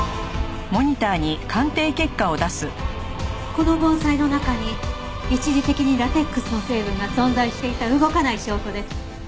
この盆栽の中に一時的にラテックスの成分が存在していた動かない証拠です。